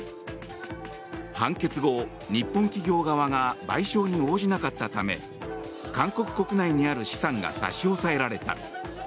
判決後、日本企業側が賠償に応じなかったため韓国国内にある資産が差し押さえられた。